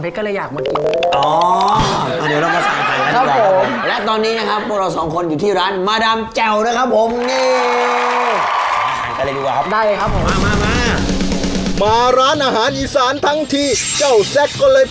พี่จินก็เป็นตัวข้างคนอีสานไงครับผม